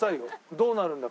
どうなるんだか。